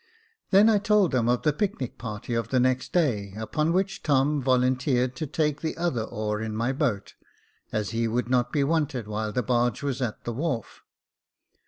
I then told them of the picnic party of the next day, upon which Tom volunteered to take the other oar in my boat, as he would not be wanted while the barge was at the wharf.